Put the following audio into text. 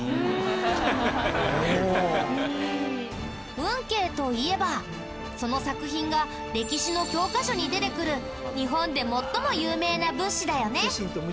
運慶といえばその作品が歴史の教科書に出てくる日本で最も有名な仏師だよね。